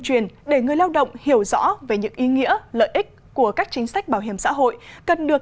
truyền để người lao động hiểu rõ về những ý nghĩa lợi ích của các chính sách bảo hiểm xã hội cần được